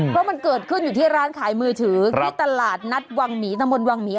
เพราะมันเกิดขึ้นอยู่ที่ร้านขายมือถือที่ตลาดนัดวังหมีตะมนต์วังหมี